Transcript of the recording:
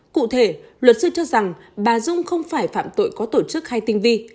cụ thể luật sư cho rằng bà dung không phải phạm tội có tổ chức hay tinh vi